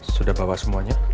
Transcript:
sudah bawa semuanya